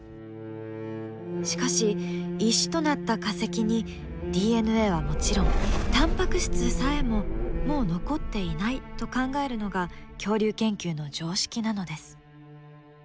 しかし石となった化石にＤＮＡはもちろんタンパク質さえももう残っていないと考えるのが恐竜研究の常識なのです。